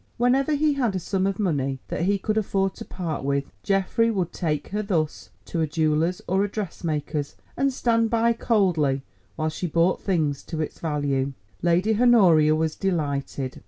Whenever he had a sum of money that he could afford to part with, Geoffrey would take her thus to a jeweller's or a dressmaker's, and stand by coldly while she bought things to its value. Lady Honoria was delighted.